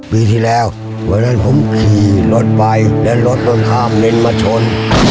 พี่ที่แล้วเป็นแล้วผมขายโลบไปล้านรถโตนทำให้มาชน